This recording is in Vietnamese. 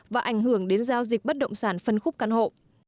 và ảnh hưởng đến giao dịch bất động sản phân khúc căn hộ